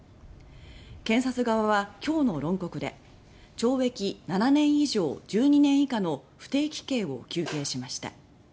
検察側は今日の論告で懲役７年以上１２年以下の不定期刑を求刑しました。